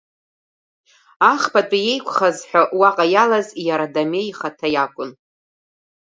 Ахԥатәи еиқәхаз ҳәа уаҟа иалаз иара Дамеи ихаҭа иакәын.